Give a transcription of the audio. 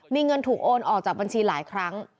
มีเงินถูกโอนออกจากบัญชีหลายครั้ง